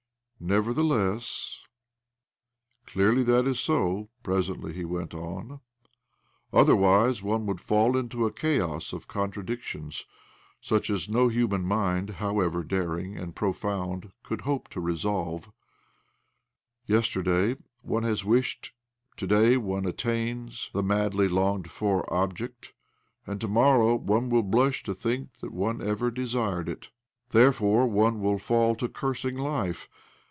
" Nevertheless "" Clearly that is so," presently he went on. " Otherwise, one would fall into a chaos of contradictions such as no human mind, how 183 1 84 OBLOMOV ever daring and profQurid, could hope to re '' solve. Yesterday one has wished, to day one attains the madly longed for object, and to morrow one will blush to think thkt one ever desired it. Therefore one will fall to cursing life.